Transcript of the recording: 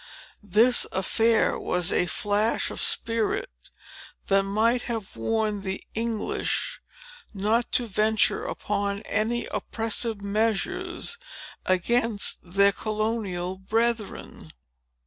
This affair was a flash of spirit, that might have warned the English not to venture upon any oppressive measures against their colonial brethren."